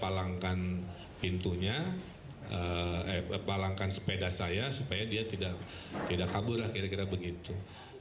palangkan pintunya palangkan sepeda saya supaya dia tidak kabur lah kira kira begitu